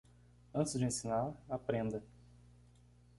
Antes de ensinar, aprenda.